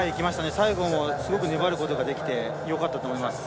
最後すごく粘ることができてよかったと思います。